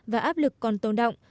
và áp lực còn tồn động